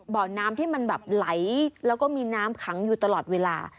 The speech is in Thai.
เบาสันที่มันแตกไหลและมีน้ำขังอยู่ตลอดเวลา